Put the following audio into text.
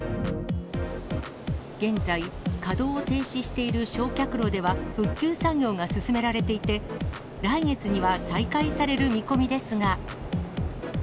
現在、稼働を停止している焼却炉では復旧作業が進められていて、来月には再開される見込みですが。